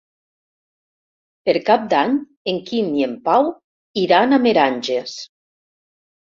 Per Cap d'Any en Quim i en Pau iran a Meranges.